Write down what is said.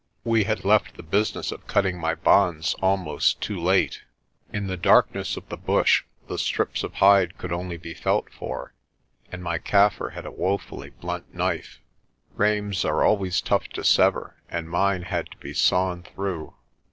We had left the busi ness of cutting my bonds almost too late. In the darkness 162 PRESTER JOHN of the bush the strips of hide could only be felt for, and my Kaffir had a woefully blunt knife. Reims are always tough to sever and mine had to be sawn through.